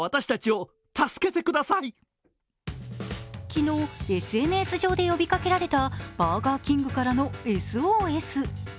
昨日、ＳＮＳ上で呼びかけられたバーガーキングからのＳＯＳ。